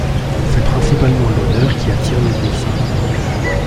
C'est principalement l'odeur qui attire les essaims.